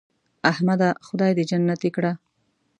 احمده خدای دې جنتې کړه .